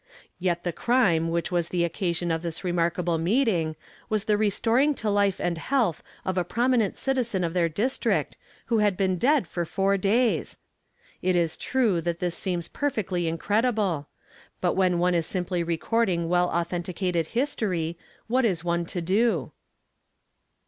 Yet the crime which was the occasion of this remarkable meeting was tlie restoring to life and health of a prominent citizen of their district who had been dead for four days ! It is true that this seems perfectly incredible ; but when one is simply recording well authenticated history, what is one to do